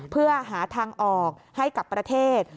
เพื่อหาทางออกให้กับประเทศ